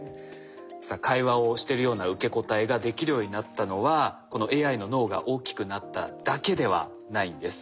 さあ会話をしてるような受け答えができるようになったのはこのＡＩの脳が大きくなっただけではないんです。